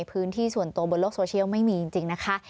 พื้นที่ส่วนตัวบนโลกโซเชียลไม่มีจริงนะคะ